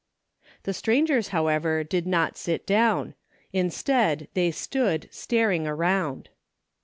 The strangers, however, did not sit down. Instead, they stood staring around.